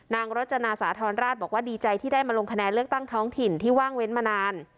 รจนาสาธรณราชบอกว่าดีใจที่ได้มาลงคะแนนเลือกตั้งท้องถิ่นที่ว่างเว้นมานาน